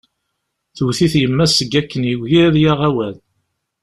Tewwet-it yemma-s seg wakken yugi ad yaɣ awal.